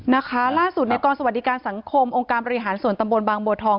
นะคะล่าสุดในกรสวัสดิการสังคมองค์การบริหารส่วนตำบลบางบัวทอง